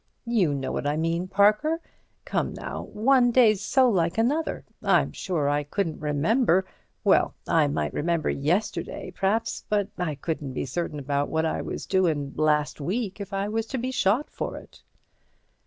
"You know what I mean, Parker. Come now. One day's so like another, I'm sure I couldn't remember—well, I might remember yesterday, p'r'aps, but I couldn't be certain about what I was doin' last week if I was to be shot for it."